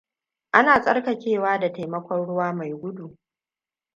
Ana tsarkakewa da taimakon ruwa mai gudu.